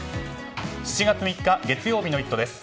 ７月３日月曜日の「イット！」です。